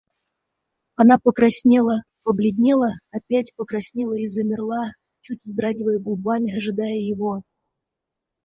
Она покраснела, побледнела, опять покраснела и замерла, чуть вздрагивая губами, ожидая его.